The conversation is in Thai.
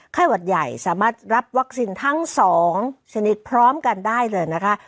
หวัดใหญ่สามารถรับวัคซีนทั้ง๒ชนิดพร้อมกันได้เลยนะคะ